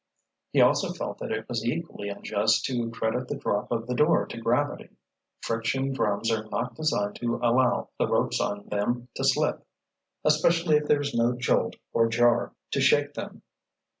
He also felt that it was equally unjust to credit the drop of the door to gravity. Friction drums are not designed to allow the ropes on them to slip, especially if there is no jolt or jar to shake them.